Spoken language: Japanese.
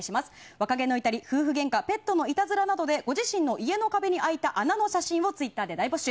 若気の至り、夫婦ゲンカペットのいたずらなどでご自身の家に空いた穴をツイッターで大募集。